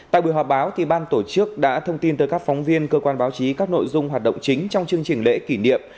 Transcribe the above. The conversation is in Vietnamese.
tại buổi họp báo ban tổ chức đã thông tin tới các phóng viên cơ quan báo chí các nội dung hoạt động chính trong chương trình lễ kỷ niệm